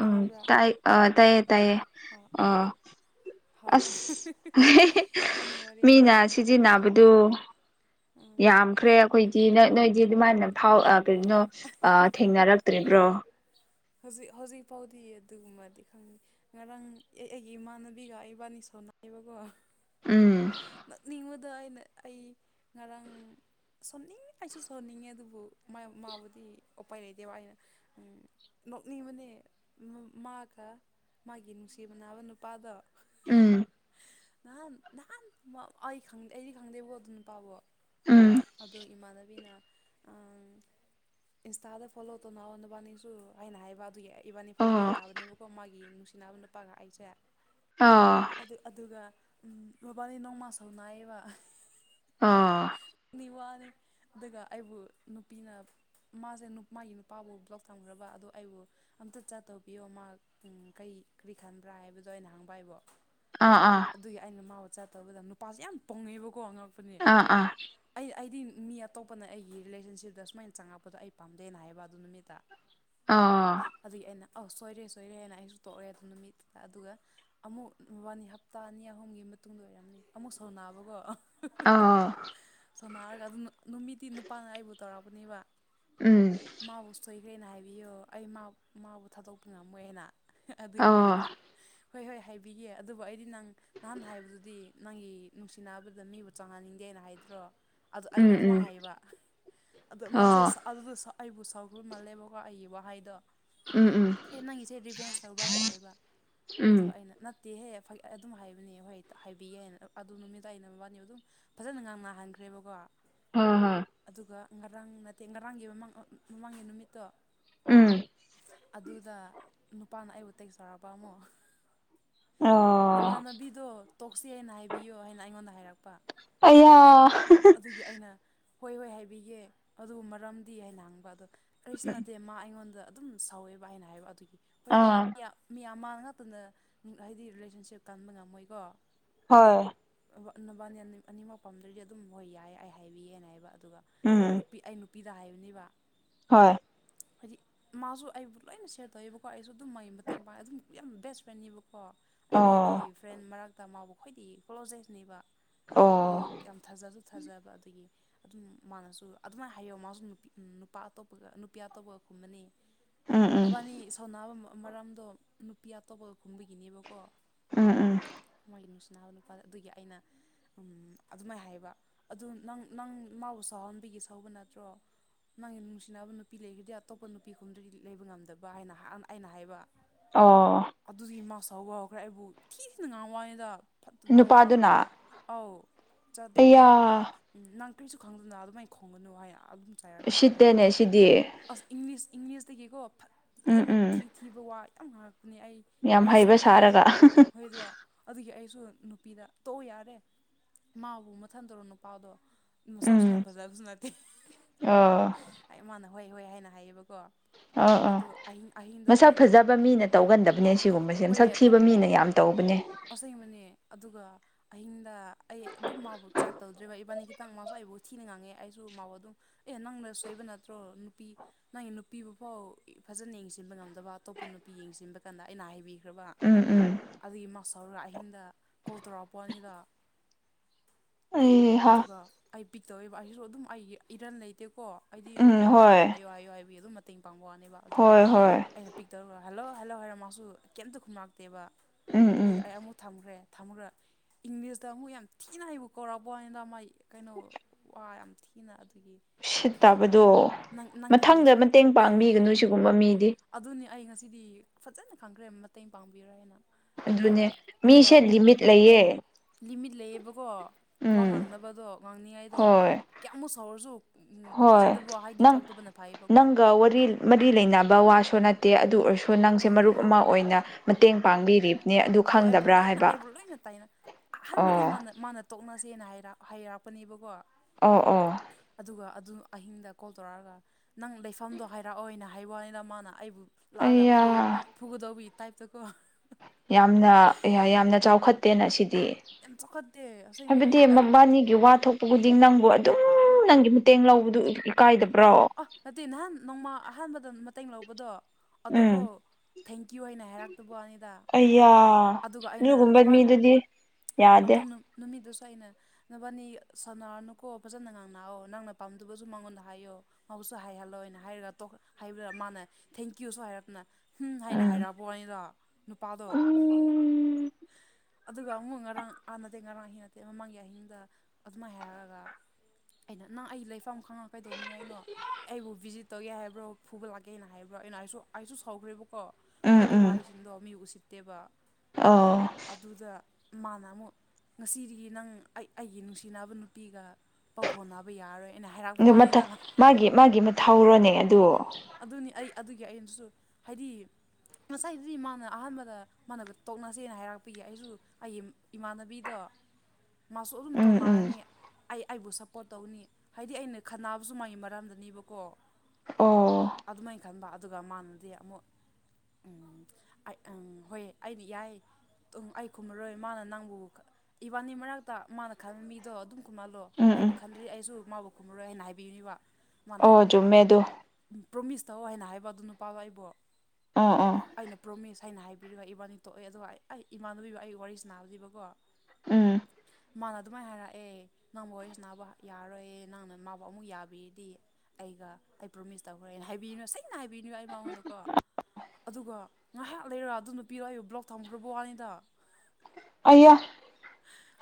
ꯎꯝ ꯇꯥꯕ꯭ꯔꯥ ꯇꯥꯏꯌꯦ ꯑ ꯇꯥꯏꯌꯦ ꯑꯥ ꯇꯥꯏꯌꯦ ꯑ ꯑꯥ ꯍꯧꯔꯣ ꯑꯁ ꯍꯦ ꯍꯦ ꯏꯕꯥꯅꯤ ꯋꯥꯔꯤ ꯑꯃꯨꯛ ꯃꯤꯅ ꯍꯧꯔꯁꯦ ꯁꯤꯖꯤꯟꯅꯥꯕꯗꯨ ꯎꯝ- ꯈ꯭ꯔꯦ ꯑꯩꯈꯣꯏꯗꯤ ꯅ ꯅꯣꯏꯗꯤ ꯑꯗꯨꯃꯥꯏꯅ ꯐꯥꯎ ꯀꯔꯤꯅꯣ ꯊꯦꯡꯅꯔꯛꯇ꯭ꯔꯤꯕ꯭ꯔꯣ ꯍꯧꯖꯤꯛ ꯍꯧꯖꯤꯛ ꯐꯥꯎꯗꯤ ꯑꯗꯨꯒꯨꯝꯃꯗꯤ ꯈꯪꯗ ꯉꯔꯥꯡ ꯑꯦ ꯑꯩꯒꯤ ꯏꯃꯥꯟꯅꯕꯤꯒ ꯏꯕꯥꯅꯤ ꯁꯥꯎꯅꯩꯌꯦꯕꯀꯣ ꯎꯝ ꯫ ꯅꯛꯅꯤꯡꯕꯗ ꯑꯩꯅ ꯑꯩ ꯉꯔꯥꯡ ꯁꯣꯟꯅꯤꯡꯉꯦ ꯑꯩꯁꯨ ꯁꯣꯟꯍꯅꯤꯡꯉꯦ ꯑꯗꯨꯕꯨ ꯃꯥꯕꯨꯗꯤ ꯎꯄꯥꯏ ꯂꯩꯩꯇꯦꯕ ꯑꯩꯅ ꯅꯣꯛꯅꯤꯡꯕꯅꯦ ꯃꯥꯒ ꯃꯥꯒꯤ ꯅꯨꯡꯁꯤꯕ ꯅꯥꯕ ꯅꯨꯄꯥꯗꯣ ꯎꯝ ꯅꯍꯥꯟ ꯅꯍꯥꯟ ꯑꯩ ꯈꯪꯗꯦ ꯑꯩꯗꯤ ꯈꯪꯗꯦꯕꯣ ꯑꯗꯨꯅ ꯄꯥꯕꯣ ꯎꯝ ꯑꯗꯨ ꯏꯃꯥꯟꯅꯕꯤꯅ ꯑꯪ ꯏꯟꯁꯇꯥꯗ ꯐꯣꯂꯣ ꯇꯧꯅꯧꯋꯣ ꯅꯕꯥꯅꯤꯁꯨ ꯑꯩꯅ ꯍꯥꯏꯕ ꯑꯗꯨꯒꯤ ꯑꯩ ꯏꯕꯥꯅꯤ ꯐꯣꯂꯣ ꯑꯣ ꯇꯧ ꯅꯥꯅꯕꯅꯦꯕꯀꯣ ꯃꯥꯒꯤ ꯅꯨꯡꯁꯤꯅꯕ ꯅꯨꯄꯥꯒ ꯑꯩꯁꯦ ꯑꯣ ꯫ ꯑꯗꯨꯒ ꯕꯕꯥꯅꯤ ꯅꯣꯡꯃ ꯁꯧ ꯅꯥꯏꯌꯦꯕ ꯑꯥ ꯃꯤ ꯋꯥꯅꯤ ꯑꯗꯨꯒ ꯑꯩꯕꯨ ꯅꯨꯄꯤꯅ ꯃꯥꯁꯦ ꯅꯨ ꯃꯥꯒꯤ ꯅꯨꯄꯥꯕꯨ ꯕ꯭ꯂꯣꯛ ꯊꯝꯈ꯭ꯔꯥꯕ ꯑꯗꯣ ꯑꯩꯕꯨ ꯑꯝꯇ ꯆꯠꯇꯧꯕꯤꯌꯣ ꯃꯥ ꯀꯔꯤ ꯀꯔꯤ ꯈꯟꯕ꯭ꯔꯥ ꯍꯥꯏꯕꯗꯣ ꯑꯩꯅ ꯍꯪꯕ ꯍꯥꯏꯕꯣ ꯑꯥ ꯑꯥ ꯑꯗꯨꯒꯤ ꯑꯩꯅ ꯃꯥꯎ ꯆꯥꯠ ꯇꯧꯕꯗ ꯅꯨꯄꯥꯁꯦ ꯌꯥꯝ ꯄꯣꯡꯉꯦꯕꯀꯣ ꯑꯉꯛꯄꯅꯦ ꯑꯥ ꯑꯥ ꯫ ꯑꯩ ꯑꯩꯗꯤ ꯃꯤ ꯑꯇꯣꯞꯄꯅ ꯑꯩꯒꯤ ꯔꯤꯂꯦꯁꯟꯁꯤꯞꯇ ꯑꯁꯨꯃꯥꯏꯅ ꯆꯪꯉꯛꯄꯗꯣ ꯑꯩ ꯄꯥꯝꯗꯦꯅ ꯍꯥꯏꯕ ꯑꯗꯨ ꯅꯨꯃꯤꯠꯇ ꯫ ꯑꯣ ꯫ ꯑꯗꯨꯒꯤ ꯑꯩꯅ ꯑꯧ ꯁꯣꯏꯔꯦ ꯁꯣꯏꯔꯦ ꯅ ꯑꯩꯖꯨ ꯇꯣꯛꯔꯦ ꯑꯗꯨ ꯅꯨꯃꯤꯠꯇꯨꯗ ꯑꯗꯨꯒ ꯫ ꯑꯃꯨꯛ ꯃꯕꯥꯅꯤ ꯍꯞꯇꯥ ꯑꯅꯤ ꯑꯍꯨꯝꯒꯤ ꯃꯇꯨꯡꯗ ꯑꯣꯏꯔꯝꯅꯤ ꯑꯃꯨꯛ ꯁꯥꯎꯅꯕꯀꯣ ꯑꯣ ꯁꯣꯅꯔꯒ ꯑꯗꯨꯝ ꯅꯨꯃꯤꯠꯇꯤ ꯅꯨꯄꯥꯅ ꯑꯩꯕꯨ ꯇꯧꯔꯛꯄꯅꯦꯕ ꯎꯝ ꯃꯥꯕꯨ ꯁꯣꯛꯈ꯭ꯔꯦꯅ ꯍꯥꯏꯕꯤꯌꯨ ꯑꯩ ꯃꯥꯕꯨ ꯊꯥꯗꯣꯛꯄ ꯉꯝꯃꯣꯏ ꯍꯥꯏꯅ ꯑꯗꯨꯒꯤ ꯑꯣ ꯑꯩꯅ ꯍꯣꯏ ꯍꯣꯏ ꯍꯥꯏꯕꯤꯒꯦ ꯑꯗꯨꯕꯨ ꯑꯩꯗꯤ ꯅꯪ ꯅꯍꯥꯟ ꯍꯥꯏꯕꯗꯨꯗꯤ ꯅꯪꯒꯤ ꯅꯨꯡꯁꯤꯅꯕꯗ ꯃꯤꯕꯨ ꯆꯪꯍꯟꯅꯤꯡꯗꯦꯅ ꯍꯥꯏꯗ꯭ꯔꯣ ꯫ ꯑꯗ ꯎꯝ ꯑꯩꯅ ꯑꯗꯨꯝ ꯎꯝ ꯍꯥꯏꯕ ꯑꯗꯣ ꯑꯣ ꯃꯥꯁꯦ ꯑꯗꯨꯗ ꯑꯩꯕꯨ ꯁꯦꯜꯞ ꯒ꯭ꯔꯨꯞ ꯃꯥꯜꯂꯦꯕꯀꯣ ꯑꯩꯒꯤ ꯋꯥꯍꯩꯗꯣ ꯎꯝ ꯎꯝ ꯑꯦ ꯅꯪꯒꯤꯁꯦ ꯔꯤꯚꯦꯟꯁ ꯇꯧꯕ꯭ꯔꯥ ꯍꯥꯏꯅ ꯍꯥꯏꯕ ꯎꯝ ꯑꯗꯨꯒ ꯑꯩꯅ ꯏꯦꯍꯦ ꯑꯗꯨꯝ ꯍꯥꯏꯕꯅꯦ ꯍꯣꯏ ꯍꯥꯏꯕꯤꯌꯦ ꯍꯥꯏꯅ ꯑꯗꯨ ꯅꯨꯃꯤꯗꯥꯡꯏꯩꯅ ꯋꯥꯅꯤ ꯑꯗꯨꯝ ꯐꯖꯅ ꯉꯥꯡꯅꯥꯍꯟꯈ꯭ꯔꯦꯕꯀꯣ ꯑꯥ ꯍꯥ ꯑꯗꯨꯒ ꯉꯔꯥꯡ ꯅꯠꯇꯦ ꯉꯔꯥꯡꯒꯤ ꯃꯃꯥꯡ ꯃꯃꯥꯡꯒꯤ ꯅꯨꯃꯤꯠꯇꯣ ꯎꯝ ꯑꯗꯨꯗ ꯅꯨꯄꯥꯅ ꯑꯩꯕꯨ ꯇꯦꯛꯁ ꯊꯥꯔꯛꯄ ꯑꯃꯨꯛ ꯫ ꯑꯣ ꯫ ꯅꯃꯥꯟꯅꯕꯤꯗꯣ ꯇꯣꯛꯁ ꯍꯥꯏꯅ ꯍꯥꯏꯕꯤꯌꯣ ꯍꯥꯏꯅ ꯑꯩꯉꯣꯟꯗ ꯍꯥꯏꯔꯛꯄ ꯑꯌꯥ ꯑꯗꯨꯒꯤ ꯑꯩꯅ ꯍꯣꯏ ꯍꯣꯏ ꯍꯥꯏꯕꯤꯒꯦ ꯑꯗꯨ ꯃꯔꯝꯗꯤ ꯍꯥꯏꯅ ꯍꯪꯕ ꯑꯗꯣ ꯀꯔꯤꯁꯨꯅꯇꯦ ꯃꯥ ꯑꯩꯉꯣꯟꯗ__ ꯑꯗꯨꯝ ꯁꯧꯋꯦꯕ ꯑꯩꯅ ꯍꯥꯏꯕ ꯑꯗꯨꯒꯤ ꯍꯣꯏꯗ ꯑꯥ ꯑꯩꯌꯥ ꯫ ꯃꯤ ꯑꯃ ꯉꯥꯛꯇꯅ ꯍꯨꯡ ꯍꯥꯏꯗꯤ ꯔꯤꯂꯦꯁꯟꯁꯤꯞ ꯀꯟꯕ ꯉꯝꯃꯣꯏꯀꯣ ꯫ ꯍꯣꯏ ꯑꯕꯥ ꯅꯕꯥꯅꯤ ꯑꯅꯤ ꯑꯅꯤꯃꯛ ꯄꯝꯗ꯭ꯔꯗꯤ ꯑꯗꯨꯝ ꯍꯣꯏ ꯌꯥꯏ ꯑꯩ ꯍꯥꯏꯕꯤꯌꯦꯅ ꯍꯥꯏꯕ ꯑꯗꯨꯒ ꯎꯝ ꯫ ꯅꯨꯄꯤ ꯑꯩ ꯅꯨꯄꯤꯗ ꯍꯥꯏꯕꯅꯤꯕ ꯍꯣꯏ ꯫ ꯍꯥꯗꯤ ꯃꯥꯁꯨ ꯑꯩꯕꯨ ꯂꯣꯏꯅ ꯁꯦꯌꯔ ꯇꯧꯋꯦꯕꯀꯣ ꯑꯩꯁꯨ ꯑꯗꯨꯝ ꯃꯥꯒꯤ ꯃꯇꯦꯡ ꯄꯥꯡꯉꯦ ꯑꯗꯨꯝ ꯌꯥꯝ ꯕꯦꯁ ꯐ꯭ꯔꯦꯟꯅꯦꯕꯀꯣ ꯫ ꯑꯩꯗꯤ ꯑꯩꯒꯤ ꯑꯣ ꯐ꯭ꯔꯦꯟ ꯃꯔꯛꯇ ꯃꯥꯕꯨ ꯈ꯭ꯋꯥꯗꯤ ꯀ꯭ꯂꯣꯂꯣꯖꯦꯁꯅꯦꯕ ꯍꯥꯏꯗꯤ ꯑꯣ ꯌꯥꯝ ꯊꯥꯖꯁꯨ ꯊꯥꯖꯕ ꯑꯗꯒꯤ ꯑꯗꯨꯝ ꯃꯥꯅꯁꯨ ꯑꯗꯨꯃꯥꯏ ꯍꯥꯏꯌꯣ ꯃꯥꯁꯨ ꯅꯨꯄꯤ ꯎꯝ ꯅꯨꯄꯥ ꯑꯇꯣꯞꯄꯒ ꯅꯨꯄꯤ ꯑꯇꯣꯞꯄꯒ ꯀꯨꯝꯕꯅꯤ ꯫ ꯎꯝ ꯎꯝ ꯃꯕꯥꯅꯤ ꯁꯥꯎꯅꯕ ꯃ ꯃꯔꯝꯗꯣ ꯅꯨꯄꯤ ꯑꯇꯣꯞꯄꯒ ꯀꯨꯝꯕꯒꯤꯅꯦꯕꯀꯣ ꯫ ꯎꯝ ꯎꯝ ꯃꯣꯏꯒꯤ ꯅꯨꯡꯁꯤꯅꯥꯕ ꯅꯨꯄꯥꯗ ꯑꯗꯨꯒꯤ ꯑꯩꯅ ꯎꯝ ꯑꯗꯨꯃꯥꯏ ꯍꯥꯏꯌꯦꯕ ꯑꯗꯨ ꯅꯪ ꯅꯪ ꯅꯥꯎ ꯁꯥꯎꯍꯟꯕꯤꯒꯦ ꯁꯧꯕ ꯅꯠꯇ꯭ꯔꯣ ꯫ ꯅꯪꯒꯤ ꯅꯨꯡꯁꯤꯅꯕ ꯅꯨꯄꯤ ꯂꯩꯈ꯭ꯔꯗꯤ ꯑꯇꯣꯞꯄ ꯅꯨꯄꯤꯒꯨꯝꯗꯒꯤ ꯂꯩꯕ ꯉꯝꯗꯕ ꯍꯥꯏꯅ ꯑꯩꯅ ꯍꯥꯏꯕ ꯑꯣ ꯑꯗꯨꯒꯤ ꯃꯥꯁꯒ ꯍꯧꯈ꯭ꯔꯦ ꯑꯩꯕꯨ ꯊꯤꯅ ꯉꯥꯡ ꯋꯥꯏꯗ ꯐꯠꯇꯕ ꯋꯥ ꯅꯨꯄꯥꯗꯨꯅ ꯉꯥꯡꯉꯛꯄ ꯑꯧ ꯆꯥꯗꯨꯀꯣ ꯑꯩꯌꯥ ꯫ ꯎꯝ ꯅꯪ ꯀꯔꯤꯁꯨ ꯈꯪꯗꯅ ꯑꯗꯨꯃꯥꯏꯅ ꯈꯣꯡꯝꯒꯅꯨ ꯍꯥꯏ ꯑꯗꯨꯝ ꯆꯥꯏꯔꯛꯄ ꯑꯗꯨꯒ ꯎꯁꯤꯠꯇꯦꯅꯦ ꯁꯤꯗꯤ ꯑꯁ ꯏꯪꯂꯤꯁ ꯏꯪꯂꯤꯁꯇꯒꯤꯀꯣ ꯐꯖ ꯎꯝ ꯌꯥꯝ ꯎꯝ ꯊꯤ ꯊꯤꯕ ꯋꯥ ꯌꯥꯝ ꯍꯥꯡꯉꯛꯄꯅꯦ ꯑꯩ ꯫ ꯌꯥꯝ ꯑꯩꯁꯨ ꯍꯩꯕ ꯁꯣꯅꯤꯌꯥ ꯑꯗꯨ ꯁꯥꯔꯒ ꯍꯣꯏꯗꯣ ꯑꯗꯨꯒꯤ ꯑꯩꯁꯨ ꯅꯨꯄꯤꯗ ꯇꯣꯛꯎ ꯌꯥꯔꯦ ꯫ ꯃꯥꯕꯨ ꯃꯊꯟ ꯇꯧꯔꯣ ꯅꯨꯄꯥꯥꯎꯗꯣ ꯃꯁꯥꯎꯁꯨ ꯌꯥꯝ ꯎꯝ ꯐꯖꯕꯁꯨ ꯅꯠꯇꯦ ꯑꯣ ꯑꯩ ꯃꯥꯅ ꯍꯣꯏ ꯍꯣꯏ ꯍꯥꯏꯅ ꯍꯥꯏꯌꯦꯕꯀꯣ ꯑꯥ ꯑꯥ ꯑꯗꯨ ꯑꯍꯤꯡ ꯑꯍꯤꯡꯗ ꯃꯁꯛ ꯑꯩ ꯐꯖꯕ ꯃꯤꯅ ꯇꯧꯒꯟꯗꯕꯅꯦ ꯁꯤꯒꯨꯝꯕꯁꯦ ꯍꯣꯏ ꯃꯁꯛ ꯊꯤꯕ ꯃꯤꯅ ꯌꯥꯝ ꯇꯧꯕꯅꯤ꯫ ꯑꯁꯦꯡꯕꯅꯦ ꯑꯗꯨꯒ ꯑꯍꯤꯡꯗ ꯑꯩ ꯑꯗꯨꯝ ꯃꯥꯕꯨ ꯆꯥꯠꯇꯧꯗ꯭ꯔꯤꯕ ꯏꯕꯥꯅꯤ ꯈꯤꯇꯪ ꯃꯥꯁꯨ ꯑꯩꯕꯨ ꯊꯤꯅ ꯉꯥꯡꯉꯦ ꯑꯩꯁꯨ ꯃꯥꯕꯨ ꯑꯗꯨꯝ ꯑꯦ ꯅꯪꯅ ꯁꯣꯏꯕ ꯅꯠꯇ꯭ꯔꯣ ꯅꯨꯄꯤ ꯫ ꯅꯪꯒꯤ ꯅꯨꯄꯤꯕꯨ ꯐꯥꯎ ꯐꯖꯅ ꯌꯦꯡꯁꯤꯟꯕ ꯉꯝꯗꯕ ꯑꯇꯣꯞꯄ ꯅꯨꯄꯤ ꯌꯦꯡꯁꯤꯟꯕ ꯀꯥꯟꯗ ꯑꯩꯅ ꯍꯥꯏꯕꯤꯈ꯭ꯔꯕ ꯫ ꯎꯝ ꯎꯝ ꯑꯗꯨꯒꯤ ꯃꯥꯁꯧꯔꯒ ꯑꯍꯤꯡꯗ ꯀꯣꯜ ꯇꯧꯔꯛꯑ ꯄꯣꯠ ꯑꯅꯤꯗꯣ ꯑꯩ ꯍꯥ ꯑꯗꯨꯒ ꯑꯩ ꯄꯤꯛꯛꯇꯧꯦꯕ ꯑꯩꯁꯨ ꯑꯗꯨꯝ ꯑꯩ ꯏꯔꯟ ꯂꯩꯇꯦꯀꯣ ꯑꯩꯗꯤ ꯑꯗꯨꯝ ꯎꯝ ꯃꯄꯥꯅꯤꯅ ꯍꯣꯏ ꯍꯥꯏꯌꯣ ꯍꯥꯏꯌꯣ ꯍꯥꯏꯕꯤ ꯑꯗꯨꯝ ꯃꯇꯦꯡ ꯄꯥꯡꯕ ꯋꯥꯅꯦꯕ ꯑꯗꯨꯒꯤ ꯍꯣꯏ ꯍꯣꯏ ꯑꯩꯅ ꯄꯤꯛ ꯇꯧꯔ ꯍꯂꯣ ꯍꯂꯣ ꯍꯥꯏꯔꯣ ꯃꯥꯁꯨ ꯀꯩꯝꯇ ꯈꯨꯝꯂꯥꯛꯇꯦꯕ ꯎꯝ ꯎꯝ ꯑꯩ ꯑꯃꯨꯛ ꯊꯝꯈ꯭ꯔꯦ ꯊꯝꯈ꯭ꯔꯦ ꯏꯪꯂꯤꯁꯇ ꯑꯃꯨꯛ ꯌꯥꯝ ꯊꯤꯅ ꯍꯩꯕꯨ ꯀꯧꯔꯛꯑꯕ ꯍꯥꯏꯗ ꯃꯥꯏ ꯀꯩꯅꯣ ꯋꯥ ꯌꯥꯝ ꯊꯤꯅ ꯑꯗꯨꯒꯤ ꯎ ꯁꯤꯠ ꯑꯗꯨꯒ ꯇꯥꯕꯗꯣ ꯅꯪ ꯅꯪꯒꯤ ꯃꯊꯪꯗ ꯂꯩꯐꯝ ꯃꯇꯦꯡ ꯄꯥꯡꯕꯤꯒꯅꯨ ꯁꯤꯒꯨꯝꯕ ꯃꯤꯗꯤ ꯑꯗꯨꯅꯤ ꯑꯩ ꯉꯁꯤꯗꯤ ꯐꯖꯅ ꯈꯪꯈ꯭ꯔꯦ ꯃꯇꯦꯡ ꯄꯥꯡꯕꯤꯔꯣꯏ ꯍꯥꯏꯅ ꯑꯗꯨꯅꯦ ꯑꯗꯨꯒ ꯑꯗꯨꯒ ꯃꯤꯁꯦ ꯂꯤꯃꯤꯠ ꯂꯩꯌꯦ ꯂꯤꯃꯤꯠ ꯂꯩꯌꯦꯕꯀꯣ ꯋꯥ ꯎꯝ ꯉꯥꯡꯅꯕꯗꯣ ꯉꯥꯡꯅꯤꯉꯥꯏꯗꯣ ꯍꯣꯏ ꯀꯌꯥꯃꯨꯛ ꯁꯧꯔꯁꯨ ꯐꯖꯗꯕ ꯍꯥꯏꯗꯤ ꯊꯣꯛꯇꯕꯅ ꯐꯩꯌꯦꯕ ꯅꯪꯒꯥ ꯑꯣꯏꯜ ꯃꯔꯤ ꯂꯩꯅꯕ ꯋꯥꯁꯨ ꯅꯠꯇꯦ ꯑꯗꯨ ꯑꯣꯏꯔꯁꯨ ꯅꯪꯁꯦ ꯃꯔꯨꯞ ꯑꯗꯨꯅꯦ ꯑꯃ ꯑꯣꯏꯅ ꯃꯇꯦꯡ ꯄꯥꯡꯕꯤꯔꯤꯕ ꯑꯗꯨ ꯑꯩꯕꯨ ꯂꯣꯏꯅ ꯑꯩꯕꯨ ꯂꯣꯏꯅ ꯇꯥꯏꯅ ꯑꯍꯥꯟꯕꯗꯤ ꯃꯥ ꯑꯣ ꯃꯥꯅ ꯇꯣꯛꯅꯁꯦꯅ ꯍꯔꯛꯄꯅꯦꯕꯀꯣ ꯑꯣ ꯑꯣ ꯑꯗꯨꯒ ꯑꯗꯨ ꯑꯍꯤꯡꯗ ꯀꯣꯜ ꯇꯧꯔꯛꯑꯒ ꯅꯪ ꯂꯩꯐꯝꯗꯣ ꯍꯥꯏꯔꯛꯑꯣꯏꯅ ꯍꯥꯏꯕ ꯋꯥꯅꯤꯅ ꯃꯥꯅ ꯑꯩꯕꯨ ꯑꯩꯌꯥ ꯂꯥꯛꯂꯒꯨ ꯐꯨꯒꯗꯧꯕ ꯇꯥꯏꯞꯇꯀꯣ ꯌꯥꯝꯅ ꯌꯥꯝꯅ ꯆꯥꯎꯈꯠꯇꯦꯅ ꯁꯤꯗꯤ ꯌꯥꯝ ꯆꯥꯎꯈꯠꯇꯦ ꯑꯁꯦꯡꯕꯅꯤ ꯍꯥꯏꯕꯗꯤ ꯃꯕꯥꯅꯤꯒꯤ ꯋꯥ ꯊꯣꯛ ꯨꯗꯤꯡ ꯅꯪꯕꯨ ꯑꯗꯨꯝ ꯅꯪꯒꯤ ꯃꯇꯦꯡ ꯂꯧꯕꯗꯨ ꯏꯀꯥꯏꯗꯕ꯭ꯔꯣ ꯑ ꯅꯇꯤ ꯅꯍꯥꯟ ꯅꯣꯡꯃ ꯑꯍꯥꯟꯕꯗ ꯃꯇꯦꯡ ꯂꯧꯕꯗꯣ ꯎꯝ ꯑꯗꯨꯐꯥꯎ ꯊꯦꯡꯀ꯭ꯌꯨ ꯑꯣꯏꯅ ꯍꯥꯏꯔꯛꯇꯕ ꯑꯅꯤꯗ ꯑꯩꯌꯥ ꯑꯗꯨꯒꯨꯝꯕ ꯃꯤꯗꯨꯗꯤ ꯌꯥꯗꯦ ꯅꯨꯃꯤꯠꯠꯇꯗꯨ ꯁ꯭ꯋꯥꯏꯩꯅ ꯅꯕꯥꯅꯤ ꯁꯅꯔꯅꯨꯀꯣ ꯐꯖꯅ ꯉꯥꯡꯅꯥꯛꯛꯑꯣ ꯅꯪꯅ ꯄꯥꯝꯗꯕꯁꯨ ꯃꯉꯣꯟꯗ ꯍꯥꯏꯌꯣ ꯃꯥꯕꯨꯁꯨ ꯍꯥꯏꯍꯜꯂꯣꯅ ꯍꯥꯏꯔꯒ ꯍꯥꯏꯕ ꯃꯥꯅ ꯊꯦꯡꯀ꯭ꯌꯨꯁꯨ ꯍꯥꯏꯔꯞꯅ ꯎꯝ ꯍꯥꯏꯅ ꯍꯥꯏꯔꯛꯑꯕꯣ ꯑꯩꯗꯣ ꯅꯨꯄꯥꯗꯣ ꯎꯝ ꯑꯗꯨꯒ ꯑꯃꯨꯛꯒ ꯉꯔꯥꯡ ꯍꯥꯟꯅꯠꯇꯦ ꯉꯔꯥꯡ ꯍꯤ ꯅꯠꯇꯦ ꯃꯃꯥꯡꯒꯤ ꯑꯍꯤꯡꯗ ꯑꯗꯨꯃꯥꯏꯅ ꯍꯥꯏꯔꯛꯑꯒ ꯑꯩꯅ ꯅꯪ ꯑꯩ ꯂꯩꯐꯝ ꯈꯪꯉꯛ ꯀꯩꯗꯧꯅꯤꯡꯉꯥꯏꯩꯅꯣ ꯑꯩꯕꯨ ꯚꯤꯖꯤꯠ ꯇꯧꯒꯦ ꯍꯥꯏꯕ꯭ꯔꯣ ꯐꯨꯕ ꯂꯥꯛꯀꯦꯅ ꯍꯥꯏꯕ꯭ꯔꯣ ꯑꯩꯅ ꯍꯥꯏꯁꯨ ꯑꯩꯁꯨ ꯁꯧꯈ꯭ꯔꯦꯔꯤꯕ ꯀꯣ ꯎꯝ ꯃꯥꯒꯤ ꯋꯥꯍꯩꯁꯤꯡꯗꯣ ꯃꯤ ꯎꯁꯤꯠꯇꯦꯕ ꯑ ꯑꯗꯨꯗ ꯃꯥꯅ ꯑꯃꯨꯛ ꯉꯁꯤꯗꯒꯤ ꯅꯪ ꯑꯩꯒꯤ ꯅꯨꯡꯁꯤꯅꯕ ꯅꯨꯄꯤꯒ ꯄꯥꯎꯐꯥꯎ ꯅꯥꯕ ꯌꯥꯔꯔꯣꯏ ꯑꯩꯅ ꯍꯥꯏꯔꯛꯄ ꯑꯗꯨ ꯃꯊ ꯋꯥꯅꯤꯗ ꯃꯥꯒꯤ ꯃꯥꯒꯤ ꯃꯊꯧꯔꯣꯅꯦ ꯑꯗ ꯑꯗꯨꯅꯤ ꯑꯩ ꯑꯗꯨꯒꯤ ꯑꯩꯅꯁꯨ ꯍꯥꯏꯗꯤ ꯉꯁꯥꯏꯗꯨꯗꯤ ꯃꯥꯅ ꯑꯍꯥꯟꯕꯗ ꯃꯥꯅꯒ ꯇꯣꯛꯅꯁꯦꯅ ꯍꯥꯏꯔꯛꯄꯒꯤ ꯑꯩꯁꯨ ꯑꯩꯒꯤ ꯏꯃꯥꯟꯅꯕꯤꯗꯣ [inaudible] ꯃꯥꯁꯨ ꯑꯗꯨꯝ ꯎꯝ ꯎꯝ ꯇꯧꯅꯔꯅꯤ ꯑꯩ ꯑꯩꯕꯨ ꯁꯞꯄꯣꯔꯠ ꯇꯧꯅꯤ ꯍꯥꯏꯗꯤ ꯑꯩꯅ ꯈꯟꯅꯕꯁꯨ ꯃꯥꯒꯤ ꯃꯔꯝꯗꯅꯦꯕꯀꯣ ꯑꯣ ꯑꯗꯨꯃꯥꯏꯅ ꯈꯟꯕ ꯑꯗꯨꯒ ꯃꯥꯅꯗꯤ ꯑꯃꯨꯛ [inaudible] ꯑ ꯍꯣꯏ ꯑꯩꯗꯤ ꯌꯥꯏ ꯎꯝ ꯑꯩ ꯈꯨꯝꯃꯔꯣꯏ ꯃꯥꯅ ꯅꯪꯕꯨ ꯏꯕꯥꯅꯤ ꯃꯔꯛꯇ ꯃꯥꯅ ꯈꯟꯕ ꯃꯤꯗꯣ ꯑꯗꯨꯝ ꯈꯨꯝꯍꯜꯂꯣ ꯎꯝ ꯎꯝ ꯑꯩꯕꯨ ꯈꯟꯗ꯭ꯔꯤ ꯑꯩꯁꯨ ꯃꯥꯕꯨ ꯀꯨꯝꯃꯔꯣꯏ ꯍꯥꯏꯅ ꯍꯥꯏꯕꯤꯌꯨꯅꯤ ꯋꯥ ꯑꯣ ꯨꯝꯃꯦꯗꯨ ꯄ꯭ꯔꯣꯃꯤꯁ ꯇꯧ ꯍꯥꯏꯅ ꯍꯥꯏꯕ ꯑꯗꯨ ꯅꯨꯄꯥꯗꯣ ꯑꯩꯕꯨꯣ ꯎꯥ ꯑꯥ ꯑꯩꯅ ꯄ꯭ꯔꯣꯃꯤꯁ ꯍꯥꯏꯅ ꯍꯥꯏꯕꯤꯔꯒ ꯏꯕꯥꯅꯤ ꯇꯣꯛꯑꯦ ꯑꯗꯨꯒ ꯑꯩ ꯑꯩ ꯏꯃꯥꯟꯅꯕꯤꯕꯨ ꯑꯩ ꯋꯥꯔꯤ ꯁꯅꯥꯗꯤꯕꯀꯣ ꯎꯝ ꯃꯥꯅ ꯑꯗꯨꯃꯥꯏꯅ ꯍꯥꯏꯔꯛꯑꯦ ꯅꯪꯕꯨ ꯋꯥꯔꯤꯁ ꯅꯥꯕ ꯌꯥꯔꯣꯏ ꯅꯪꯅ ꯃꯥꯕꯨ ꯑꯃꯨꯛ ꯌꯥꯕꯤꯔꯗꯤ ꯑꯩꯒ ꯑꯩ ꯄ꯭ꯔꯣꯃꯤꯁ ꯇꯧꯈ꯭ꯔꯦꯅ ꯍꯥꯏꯕꯤꯔꯤꯣ ꯁꯦꯡꯅ ꯍꯥꯏꯕꯤꯅꯤꯕꯣ ꯑꯩ ꯃꯉꯣꯟꯗꯀꯣ ꯑꯗꯨꯒ ꯉꯥꯏꯍꯥꯛ ꯂꯩꯔ ꯑꯗꯨ ꯅꯨꯄꯤꯔꯣꯏꯕ ꯕ꯭ꯂꯣꯛ ꯊꯝꯈ꯭ꯔꯕ ꯋꯥꯅꯤꯗ ꯑꯌꯥ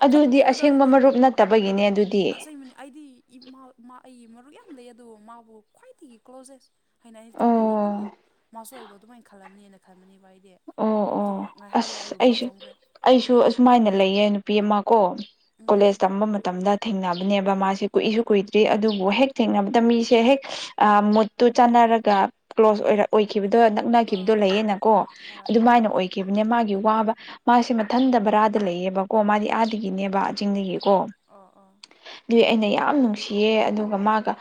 ꯑꯗꯨꯗꯤ ꯑꯁꯦꯡꯕ ꯃꯔꯨꯞ ꯅꯠꯇꯕꯒꯤꯅꯦ ꯑꯗꯨꯗꯤ ꯑꯁꯕꯅꯤ ꯑꯩꯗꯤ ꯑꯩꯒꯤ ꯃꯔꯨꯞ ꯌꯥꯝ ꯂꯩ ꯑꯗꯨꯕꯨ ꯃꯥꯕꯨ ꯈ꯭ꯋꯥꯏꯗꯒꯤ ꯀ꯭ꯂꯣꯖꯦꯁ ꯍꯥꯏꯅ ꯑꯩꯅ ꯊꯝꯃꯅꯤꯕꯀꯣ ꯑꯣ ꯃꯥꯁꯨ ꯑꯩꯕ ꯑꯗꯨꯃꯥꯏꯅ ꯈꯜꯂꯝꯅꯦꯅ ꯈꯟꯕꯅꯤꯕ ꯑꯩꯗꯤ ꯑꯣ ꯑꯗꯨ ꯉ ꯑꯣ ꯉꯥꯏꯍꯥꯛꯜꯂꯦ ꯑꯁ ꯑꯩꯕꯨ ꯕ꯭ꯂꯣꯛ ꯑꯩꯁꯨ ꯊꯝꯈ꯭ꯔꯦ ꯑꯩꯁꯨ ꯑꯁꯨꯃꯥꯏꯅ ꯂꯩꯌꯦ ꯅꯨꯄꯤ ꯑꯃ ꯀꯣ ꯎꯝ ꯀꯣꯂꯦꯖ ꯇꯝꯕ ꯃꯇꯝꯗ ꯊꯦꯡꯅꯕꯅꯦꯕ ꯃꯥꯁꯦ ꯀꯨꯏꯁꯨ ꯀꯨꯏꯗ꯭ꯔꯤ ꯑꯗꯨꯕꯨ ꯍꯦꯛ ꯊꯦꯡꯅꯕꯗ ꯃꯤꯁꯦ ꯍꯦꯛ ꯃꯨꯠꯇꯨ ꯆꯥꯟꯅꯔꯒ ꯀ꯭ꯂꯣꯁ ꯑꯣꯏꯔ ꯑꯣꯏꯈꯤꯕꯗꯣ ꯑꯥ ꯅꯛꯅꯈꯤꯕꯗꯣ ꯑꯥ ꯂꯩꯌꯦꯅꯀꯣ ꯍꯣꯏ ꯍꯣꯏ ꯑꯗꯨꯃꯥꯏꯅ ꯑꯣꯏ ꯈꯤꯕꯅꯦ ꯃꯥꯒꯤ ꯋꯥꯕ ꯃꯥꯁꯦ ꯃꯊꯟꯇ ꯕꯔꯥꯗ ꯂꯩꯌꯦꯕꯀꯣ ꯃꯥꯗꯤ ꯑꯥꯗꯒꯤꯅꯦꯕ ꯑꯣ ꯀꯛꯆꯤꯡꯗꯒꯤꯀꯣ ꯑꯣ ꯑꯣ ꯑꯗꯨꯏ ꯑꯩꯅ ꯌꯥꯝ ꯅꯨꯡꯁꯤꯌꯦ ꯑꯗꯨꯒ ꯃꯥꯒ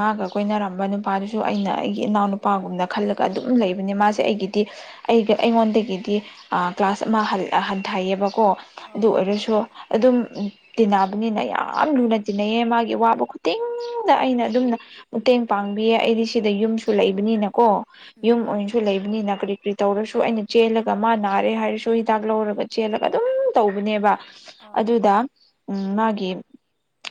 ꯃꯥꯒ ꯀꯣꯏꯅꯔꯝꯕ ꯅꯨꯄꯥꯗꯨꯁꯨ ꯑꯩꯅ ꯑꯩꯒꯤ ꯏꯅꯥꯎ ꯅꯨꯄꯥꯒꯨꯝꯅ ꯈꯜꯂꯒ ꯑꯗꯨꯝ ꯂꯩꯕꯅꯤ ꯃꯥꯁꯦ ꯑꯩꯒꯤꯗꯤ ꯑꯩꯒ ꯑꯩꯉꯣꯟꯗꯒꯤ ꯒꯤꯗꯤ ꯀ꯭ꯂꯥꯁ ꯑꯃ ꯍꯟꯊꯩꯌꯦꯕꯀꯣ ꯑꯗꯨ ꯑꯥ ꯑꯥ ꯑꯣꯏꯔꯁꯨ ꯑꯗꯨꯝ ꯇꯤꯟꯅꯕꯅꯤꯅ ꯌꯥꯝ ꯂꯨꯅ ꯇꯤꯟꯅꯩꯌꯦ ꯃꯥꯒꯤ ꯑꯕ ꯈꯨꯗꯤꯡꯗ ꯑꯩꯅ ꯑꯗꯨꯝꯅ ꯃꯇꯦꯡ ꯄꯥꯡꯕꯤꯌꯦ ꯑꯩꯗꯤ ꯁꯤꯗ ꯌꯨꯝꯁꯨ ꯂꯩꯕꯅꯤꯅꯀꯣ ꯎꯝ ꯌꯨꯝ ꯎꯝ ꯑꯣꯏꯅꯁꯨ ꯂꯩꯕꯅꯤꯅ ꯀꯔꯤ ꯀꯔꯤ ꯇꯧꯔꯁꯨ ꯑꯩꯅ ꯆꯦꯜꯂꯒ ꯃꯥ ꯅꯥꯔꯦ ꯍꯥꯏꯔꯁꯨ ꯍꯤꯗꯥꯛ ꯂꯧꯔꯒ ꯆꯦꯜꯂꯒ ꯑꯗꯨꯝ ꯇꯧꯕꯅꯦꯕ ꯑꯥ ꯑꯗꯨꯗ ꯃꯥꯒꯤ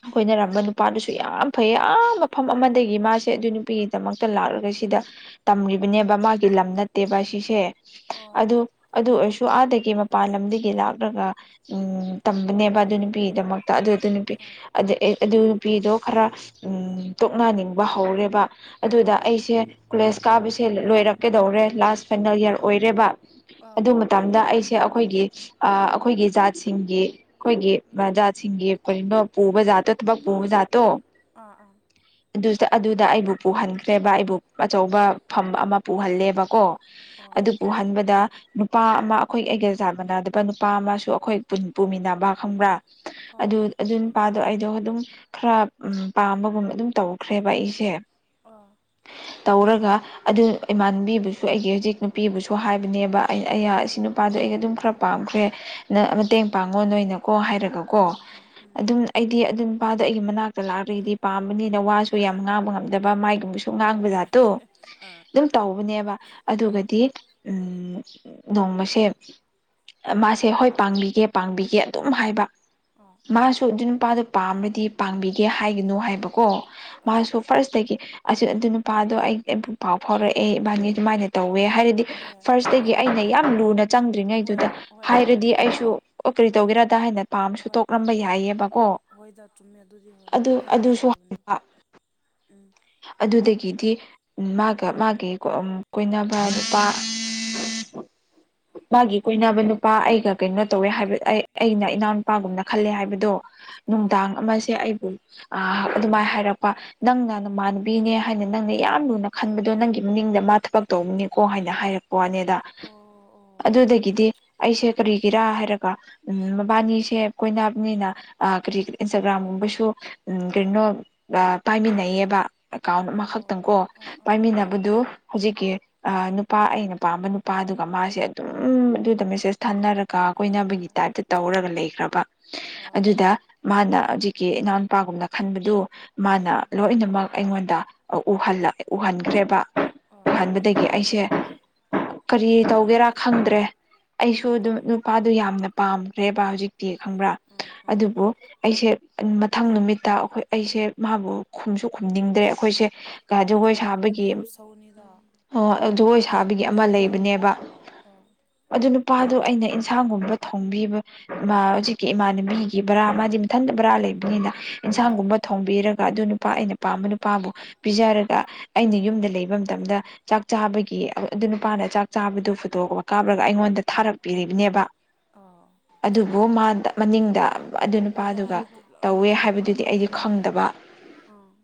ꯑꯩꯈꯣꯏꯅꯔꯝꯕ ꯅꯨꯄꯥꯗꯨꯁꯨ ꯌꯥꯝ ꯐꯩꯌꯦ ꯑꯥ ꯃꯐꯝ ꯑꯃꯗꯒꯤ ꯃꯥꯁꯦ ꯑꯗꯨ ꯅꯨꯄꯤ ꯗꯃꯛꯇ ꯂꯥꯛꯂꯒ ꯁꯤꯗ ꯇꯝꯕꯅꯦꯕ ꯃꯥꯒꯤ ꯂꯝ ꯅꯠꯇꯦꯕ ꯑꯣ ꯁꯤꯁꯦ ꯑꯣ ꯑꯗꯨ ꯑꯗꯨ ꯑꯣꯏꯔꯁꯨ ꯑꯥꯗꯒꯤ ꯃꯄꯥꯟ ꯂꯝꯗꯒꯤ ꯂꯥꯛꯂꯒ ꯎꯝ ꯇꯝꯕꯅꯦꯕ ꯑꯗꯨ ꯅꯨꯄꯤꯒꯤꯗꯃꯛ ꯇ ꯑꯗꯨ ꯑꯗꯨ ꯅꯨꯄꯤ ꯑꯣ ꯑꯗꯨ ꯅꯨꯄꯤꯗꯣ ꯈꯔ ꯎ ꯇꯣꯛꯅꯅꯤꯡꯕ ꯍꯧꯔꯦꯕ ꯑꯗꯨꯗ ꯑꯣ ꯑꯩꯁꯦ ꯀꯣꯂꯦꯖ ꯀꯥꯕꯁꯦ ꯂꯣꯏꯔꯛꯀꯗꯧꯔꯦ ꯂꯥꯁ ꯐꯥꯏꯅꯦꯜ ꯌꯔ ꯑꯣꯏꯔꯦꯕ ꯑꯣ ꯑꯗꯨ ꯃꯇꯝꯗ ꯑꯩꯁꯦ ꯑꯩꯈꯣꯏꯒꯤ ꯑꯩꯈꯣꯏꯒꯤ ꯖꯥꯠꯁꯤꯡꯒꯤ ꯑꯩꯈꯣꯏꯒꯤ ꯖꯥꯠꯁꯤꯡꯒꯤ ꯀꯔꯤꯅꯣ ꯄꯨꯕ ꯖꯥꯠꯇꯣ ꯊꯕꯛ ꯄꯨꯕ ꯖꯥꯠꯇꯣ ꯑꯥ ꯑꯥ ꯑꯗꯨꯗ ꯑꯗꯨꯗ ꯑꯩꯕꯨ ꯄꯨꯍꯟꯈ꯭ꯔꯦꯕ ꯑꯩꯕꯨ ꯑꯆꯧꯕ ꯐꯝ ꯑꯃ ꯄꯨꯍꯜꯂꯦꯕꯀꯣ ꯑꯣ ꯑꯗꯨꯕꯨꯍꯟꯕ ꯗ ꯅꯨꯄꯥ ꯑꯃ ꯑꯩꯈꯣꯏ ꯑꯩꯒꯦꯜ ꯆꯥꯟꯃꯤꯅꯗꯕ ꯅꯨꯄꯥ ꯑꯃꯁꯨ ꯑꯩꯈꯣꯏ ꯄꯨꯃꯤꯟꯅꯕ ꯈꯪꯕ꯭ꯔꯥ ꯑꯗꯨ ꯑꯣ ꯑꯗꯨ ꯅꯨꯄꯥꯗꯣ ꯑꯩꯗꯣ ꯑꯗꯨꯝ ꯈꯔ ꯎ ꯄꯥꯝꯕꯒꯨꯝ ꯑꯗꯨꯝ ꯇꯧꯈ꯭ꯔꯦꯕ ꯑꯩꯁꯦ ꯑꯥ ꯇꯧꯔꯒ ꯑꯗꯨ ꯏꯃꯥꯟꯕꯤꯕꯨꯁꯨ ꯑꯩꯒꯤ ꯍꯧꯖꯤꯛ ꯅꯨꯄꯤꯕꯨꯁꯨ ꯍꯥꯏꯕꯅꯦꯕ ꯑ ꯑꯩ ꯁꯤ ꯅꯨꯄꯥꯗꯣ ꯑꯩ ꯑꯗꯨꯝ ꯈꯔ ꯄꯥꯝꯈ꯭ꯔꯦ ꯅ ꯃꯇꯦꯡ ꯄꯥꯡꯉꯣ ꯅꯣꯏꯅꯀꯣ ꯍꯥꯏꯔꯒꯀꯣ ꯎꯝ ꯎꯝ ꯎꯝ ꯎꯝ ꯑꯗꯨꯝ ꯑꯩꯗꯤ ꯑꯗꯨꯝ ꯅꯨꯄꯥꯗ ꯑꯩꯒꯤ ꯃꯅꯥꯛꯇ ꯂꯥꯛꯂꯒꯗꯤ ꯄꯥꯝꯕꯅꯤꯅ ꯋꯥꯁꯨ ꯌꯥꯝ ꯉꯥꯡꯕ ꯉꯝꯗꯕ ꯃꯥꯏꯒꯨꯝꯕꯁꯨ ꯁꯨ ꯉꯥꯡꯕ ꯍꯣꯏ ꯍꯣꯏ ꯖꯥꯠꯇꯣ ꯑꯥ ꯑꯗꯨꯝ ꯇꯧꯕꯅꯦꯕ ꯑꯥ ꯑꯗꯨꯒꯗꯤ ꯎꯝ ꯅꯣꯡꯃꯁꯦ ꯃꯥꯁꯦ ꯍꯣꯏ ꯄꯥꯡꯕꯤꯒꯦ ꯄꯥꯡꯕꯤꯒꯦ ꯑꯗꯨꯝ ꯍꯥꯏꯕ ꯑꯥ ꯃꯥꯁꯨ ꯑꯗꯨ ꯅꯨꯄꯥꯗꯨꯣ ꯄꯥꯝꯃꯗꯤ ꯄꯥꯡꯕꯤꯒꯦ ꯍꯥꯏꯒꯅꯨ ꯍꯥꯏꯕꯀꯣ ꯑꯥ ꯃꯥꯁꯨ ꯐꯥꯔꯁꯇꯒꯤ ꯑꯗꯨ ꯅꯨꯄꯥꯗꯣ ꯑꯩ ꯑꯩꯕꯨ ꯄꯥꯎ ꯐꯥꯎꯔꯛꯑꯦ ꯏꯕꯥꯅꯤ ꯑꯗꯨꯃꯥꯏꯅ ꯇꯧꯋꯦ ꯍꯥꯏꯔꯗꯤ ꯍꯣꯏ ꯐꯥꯔꯁꯇꯒꯤ ꯍꯣꯏ ꯑꯩꯅ ꯌꯥꯝ ꯂꯨꯅ ꯍꯣꯏ ꯆꯪꯗ꯭ꯔꯤꯉꯩꯗꯨꯗ ꯍꯣꯏ ꯍꯣꯏ ꯍꯥꯏꯔꯗꯤ ꯑꯩꯁꯨ ꯀꯔꯤ ꯇꯧꯒꯦꯔꯗ ꯍꯥꯏꯅ ꯄꯥꯝꯔꯁꯨ ꯍꯣꯏ ꯇꯣꯛꯂꯝꯕ ꯌꯥꯏꯌꯦꯕꯀꯣ ꯍꯣꯏꯗ ꯆꯨꯝꯃꯦ ꯑꯗꯨꯗꯤ ꯍꯣꯏ ꯑꯗꯨ ꯑꯗꯨꯃꯥꯏꯅ ꯑꯗꯨꯁꯨ ꯍꯥꯏꯒꯗꯕꯅꯦ [unintelligible] ꯎꯝ ꯑꯗꯨꯗꯒꯤꯗꯤ ꯃꯥꯒ ꯃꯥꯒꯤ ꯀꯣꯏꯅꯕ ꯅꯨꯄꯥ ꯃꯥꯒꯤ ꯀꯣꯏꯅꯕ ꯅꯨꯄꯥ ꯑꯩꯒ ꯀꯩꯅꯣ ꯇꯧꯋꯦ ꯍꯥꯏꯕ ꯑꯩ ꯑꯩꯅ ꯏꯅꯥꯎꯅꯨꯄꯥꯒꯨꯝꯅ ꯈꯜꯂꯦ ꯍꯥꯏꯕꯗꯣ ꯑꯥ ꯅꯨꯡꯗꯥꯡ ꯑꯥ ꯑꯃꯁꯦ ꯑꯩꯕꯨ ꯑꯗꯨꯃꯥꯏꯅ ꯍꯥꯏꯔꯛꯄ ꯅꯪꯅ ꯃꯃꯥꯟꯅꯕꯤꯅꯦ ꯍꯥꯏꯅ ꯅꯪꯅ ꯌꯥꯝ ꯂꯨꯅ ꯈꯟꯕꯗꯣ ꯅꯪꯒꯤ ꯃꯅꯤꯡꯗ ꯃꯥ ꯊꯕꯛ ꯇꯧꯕꯅꯤꯀꯣ ꯍꯥꯏꯅ ꯍꯥꯏꯔꯛ__ ꯋꯥꯅꯦꯗ ꯑꯣ ꯑꯣ ꯑꯗꯨꯗꯒꯤꯗꯤ ꯑꯩꯁꯦ ꯀꯔꯤꯒꯤꯔꯥ ꯍꯥꯏꯔꯒ ꯎꯝ ꯃꯕꯥꯅꯤꯁꯦ ꯀꯣꯏꯕꯅꯤꯅ ꯑ ꯀꯔꯤ ꯏꯟꯁꯇꯥꯒ꯭ꯔꯥꯝꯒꯨꯝꯕꯁꯨ ꯎꯝ ꯀꯩꯅꯣ ꯑꯥ ꯄꯥꯏꯃꯤꯟꯅꯩꯌꯦꯕ ꯑꯦꯀꯥꯎꯟ ꯑꯣ ꯑꯃꯈꯛꯇꯪ ꯀꯣ ꯑꯥ ꯑꯥ ꯑꯥ ꯄꯥꯏꯃꯤꯟꯅꯕꯗꯨ ꯫ ꯍꯧꯖꯤꯛꯀꯤ ꯑ ꯅꯨꯄꯥ ꯑꯩꯅ ꯄꯥꯝꯕ ꯅꯨꯄꯥꯗꯨꯒ ꯃꯥꯁꯦ ꯑꯗꯨꯝ ꯑꯗꯨꯗ ꯃꯦꯁꯦꯁ ꯊꯅꯔꯛ ꯀꯥ ꯑꯌꯥ ꯀꯣꯏꯅꯕꯒꯤ ꯇꯥꯏꯞꯇ ꯇꯧꯔꯒ ꯂꯩꯈ꯭ꯔꯕ ꯑꯥ ꯑꯗꯨꯗ ꯫ ꯃꯥꯅ ꯍꯧꯖꯤꯛꯀꯤ ꯏꯅꯥꯎꯅꯨꯄꯥꯒꯨꯝꯅ ꯈꯟꯕꯗꯨ ꯎꯝ ꯃꯥꯅ ꯎꯝ ꯂꯣꯏꯅꯃꯛ ꯑꯥ ꯎꯍꯜꯂꯛ ꯎꯍꯟꯈ꯭ꯔꯦꯕ ꯑꯥ ꯎꯍꯟꯕꯗꯒꯤ ꯑꯩꯁꯦ ꯫ ꯀꯔꯤ ꯇꯧꯒꯦꯔꯥ ꯈꯪꯗ꯭ꯔꯦ ꯑꯩꯁꯨ ꯎꯝ ꯑꯗꯨꯝ ꯅꯨꯄꯥꯗꯨ ꯌꯥꯝꯅ ꯄꯥꯝꯈ꯭ꯔꯦꯕ ꯍꯧꯖꯤꯛꯇꯤ ꯎꯝ ꯈꯪꯕ꯭ꯔꯥ ꯎꯝ ꯫ ꯎꯝ ꯑꯗꯨꯕꯨ ꯑꯩꯁꯦ ꯃꯊꯪ ꯅꯨꯃꯤꯠꯇ ꯑꯩꯈꯣꯏ ꯑꯩꯁꯦ ꯃꯥꯕꯨ ꯈꯨꯝꯁꯨ ꯈꯨꯝꯅꯤꯡꯗ꯭ꯔꯦ ꯑꯩꯈꯣꯏꯁꯦ ꯀꯥꯍꯥꯏꯗꯨ ꯍꯣꯏꯗ ꯖꯒꯣꯏ ꯑꯗꯨꯗꯤ ꯁꯥꯕꯒꯤ ꯌꯥꯝ ꯁꯧꯅꯤꯗ ꯫ ꯑꯣ ꯖꯒꯣꯏ ꯁꯥꯕꯒꯤ ꯑꯃ ꯂꯩꯕꯅꯦꯕ ꯑꯣ ꯫ ꯑꯗꯨ ꯅꯨꯄꯥꯗꯣ ꯑꯩꯅ ꯏꯟꯁꯥꯡꯒꯨꯝꯕ ꯊꯣꯡꯕꯤꯕ ꯃꯥ ꯍꯧꯖꯤꯛ ꯀꯦ ꯏꯃꯥꯟꯅꯕꯤꯒꯤ ꯕꯔꯥ ꯃꯥꯗꯤ ꯃꯊꯟꯇ ꯕꯔꯥ ꯂꯩꯕꯅꯤꯅ ꯎꯝ ꯏꯟꯁꯥꯡꯒꯨꯝꯕ ꯊꯣꯡꯕꯤꯔꯒ ꯑꯗꯨ ꯅꯨꯄꯥ ꯑꯩꯅ ꯄꯥꯝꯕ ꯅꯨꯄꯥꯕꯨ ꯄꯤꯖꯔꯒ ꯑꯩꯅ ꯌꯨꯝꯗ ꯂꯩꯕ ꯃꯇꯝꯗ ꯫ ꯆꯥꯛ ꯆꯥꯕꯒꯤ ꯑꯗꯨ ꯅꯨꯄꯥꯅ ꯆꯥꯛ ꯆꯥꯕꯗꯨ ꯐꯣꯇꯣꯑꯕ ꯀꯥꯞꯂꯒ ꯑꯩꯉꯣꯟꯗ ꯊꯥꯔꯛꯄꯤꯔꯤꯕꯅꯦꯕ ꯑꯧ ꯫ ꯑꯗꯨꯕꯨ ꯃꯥꯗ ꯃꯅꯤꯡꯗ ꯑꯗꯨ ꯍꯣꯏꯗ ꯅꯨꯄꯥꯗꯨꯒ ꯑꯗꯨ ꯇꯧꯋꯦ ꯍꯥꯏꯕꯗꯨꯗꯤ ꯑꯩꯗꯤ ꯉꯥꯛꯇꯅꯤꯍꯦ ꯈꯪꯗꯕ ꯫ ꯑꯥ ꯫